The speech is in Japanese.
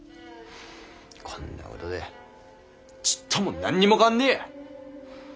こんなことでちっとも何にも変わんねぇや。